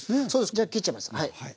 じゃあ切っちゃいます。